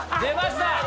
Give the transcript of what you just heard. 出ました！